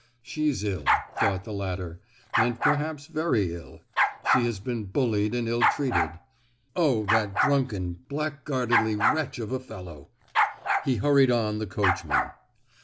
"She's ill," thought the latter, "and perhaps very ill; she has been bullied and ill treated. Oh! that drunken, blackguardly wretch of a fellow!" He hurried on the coachman.